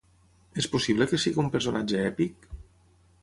És possible que sigui un personatge èpic?